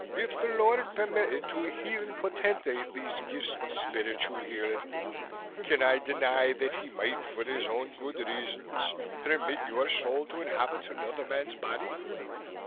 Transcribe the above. If the Lord permitted to a heathen potentate these gifts of spiritual healing, can I deny that He might for His own good reasons permit your soul to inhabit another man's body?"